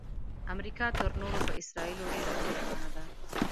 امریکا تر نورو په اسراییلو ډیره مهربانه ده.